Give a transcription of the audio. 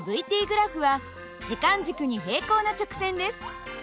ｔグラフは時間軸に平行な直線です。